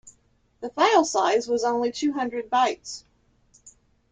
The file size was only two hundred bytes.